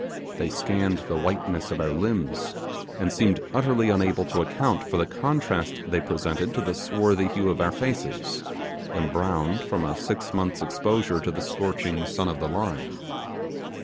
They scanned the whiteness of our limbs, and seemed utterly unable to account for the contrast they presented to the swarthy hue of our faces embrowned from a six months' exposure to the scorching sun of the Line.